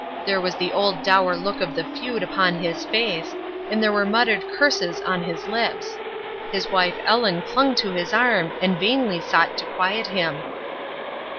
There was the old dour look of the feud upon his face, and there were muttered curses on his lips. His wife Ellen clung to his arm and vainly sought to quiet him.